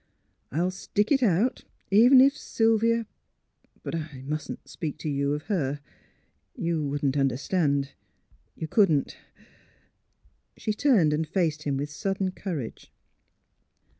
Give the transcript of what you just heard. I'll stick it out, even if Sylvia But I mustn't speak to you of her. lYou wouldn't understand. You couldn't. ..." She turned and faced him with sudden courage.